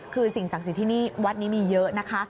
คือสิ่งศักดิ์สิทธิ์ที่นี่วัดนี้มีเยอะนะคะ